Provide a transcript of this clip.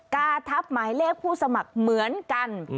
กาทับหมายเลขผู้สมัครเหมือนกัน